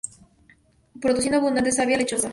Produciendo abundante savia lechosa.